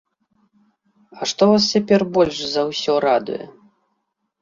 А што вас цяпер больш за ўсё радуе?